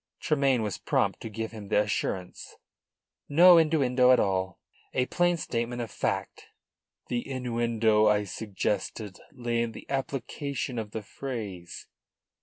Tremayne was prompt to give him the assurance. "No innuendo at all. A plain statement of fact." "The innuendo I suggested lay in the application of the phrase.